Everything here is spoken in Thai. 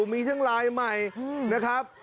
มีทั้งลายใหม่นะครับ